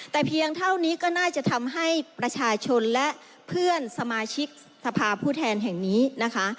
แต่เพียงเท่านี้ก็น่าจะทำให้ประชาชนและเพื่อนสมาชิกสภาพผู้แทนแห่งนี้นะคะ